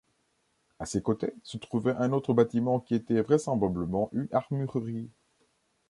À ses côtés se trouvait un autre bâtiment qui était vraisemblablement une armurerie.